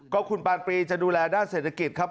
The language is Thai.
ก็คุณปานปรีจะดูแลด้านเศรษฐกิจครับ